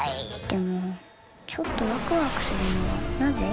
でもちょっとワクワクするのはなぜ？